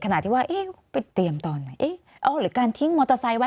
ขนาดที่ว่าไปเตรียมตอนไหนเออหรือการทิ้งมอเตอร์ไซค์ไว้